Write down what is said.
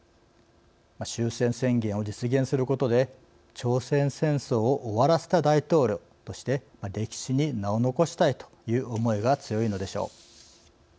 終戦宣言を実現することで朝鮮戦争を終わらせた大統領として歴史に名を残したいという思いが強いのでしょう。